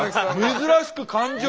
珍しく感情が。